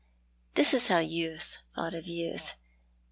This was how youth thought of youth.